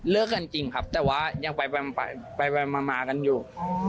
กันจริงครับแต่ว่ายังไปมากันอยู่